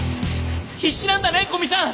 必死なんだね古見さん。